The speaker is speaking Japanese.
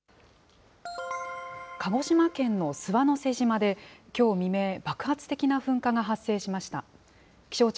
鹿児島県の諏訪之瀬島で、きょう未明、爆発的な噴火が発生しました。